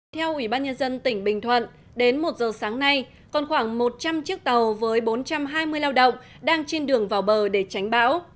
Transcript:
theo ủy ban nhân dân tỉnh bình thuận đến một giờ sáng nay còn khoảng một trăm linh chiếc tàu với bốn trăm hai mươi lao động đang trên đường vào bờ để tránh bão